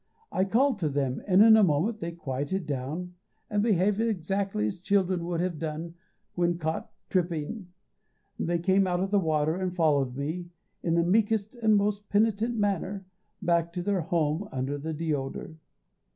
I called to them, and in a moment they quieted down, and behaved exactly as children would have done when caught tripping they came out of the water and followed me, in the meekest and most penitent manner, back to their home under the deodar.